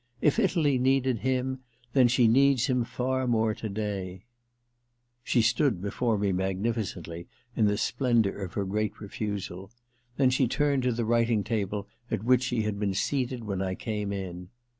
If Italy needed him then she needs him far more to day.' II THE LETTER * 261 She stood before me magnificently, in the splendour of her great refusal ; then she turned to the writing table at which she had been seated when I came in.